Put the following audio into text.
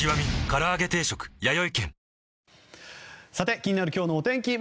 気になる今日のお天気。